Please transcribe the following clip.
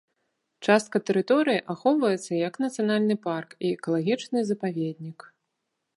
Частка тэрыторыі ахоўваецца як нацыянальны парк і экалагічны запаведнік.